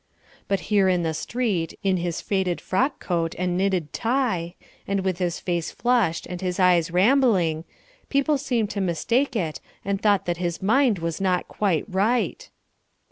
But here in the street, in his faded frock coat and knitted tie, and with his face flushed and his eyes rambling, people seemed to mistake it and thought that his mind was not quite right.